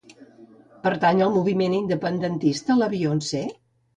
Pertany al moviment independentista la Beyoncé?